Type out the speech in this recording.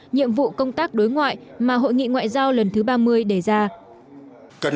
nhiệm vụ công tác đối ngoại mà hội nghị ngoại giao lần thứ ba mươi đề ra